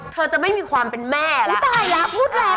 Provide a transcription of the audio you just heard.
เธอจะไม่มีความเป็นแม่ละ